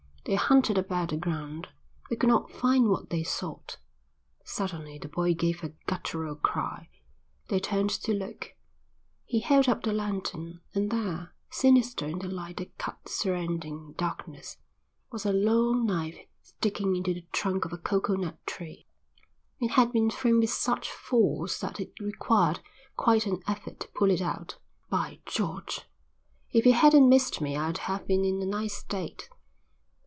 They hunted about the ground, but could not find what they sought. Suddenly the boy gave a guttural cry. They turned to look. He held up the lantern, and there, sinister in the light that cut the surrounding darkness, was a long knife sticking into the trunk of a coconut tree. It had been thrown with such force that it required quite an effort to pull it out. "By George, if he hadn't missed me I'd have been in a nice state."